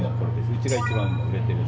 うちで一番売れてるの。